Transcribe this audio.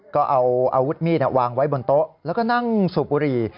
ก็เอาอาวุธมีดวางไว้บนโต๊ะแล้วก็นั่งสูบบุหรี่